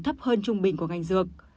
thấp hơn trung bình của ngành dược